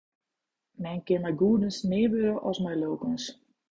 Men kin mei goedens mear wurde as mei lulkens.